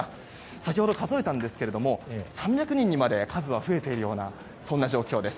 先ほど数えたんですが３００人にまで数は増えているような状況です。